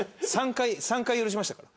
３回３回許しましたから。